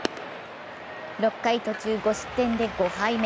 ６回途中５失点で５敗目。